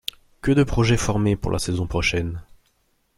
Que de projets formés pour la saison prochaine!